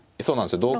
そうなんですよ